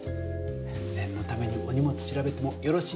ねんのためにお荷物調べてもよろしいですか？